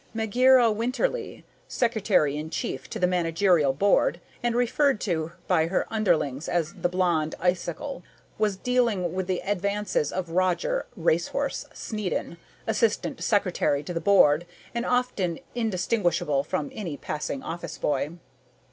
Megera Winterly, Secretary in Chief to the Managerial Board and referred to by her underlings as the Blonde Icicle, was dealing with the advances of Roger ("Racehorse") Snedden, Assistant Secretary to the Board and often indistinguishable from any passing office boy.